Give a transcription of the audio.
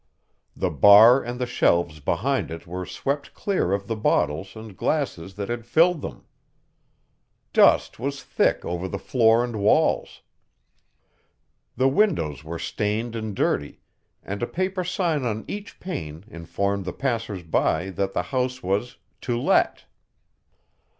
The bar and the shelves behind it were swept clear of the bottles and glasses that had filled them. Dust was thick over the floor and walls. The windows were stained and dirty, and a paper sign on each pane informed the passers by that the house was "To Let."